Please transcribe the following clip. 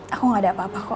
aku gak ada apa apa kok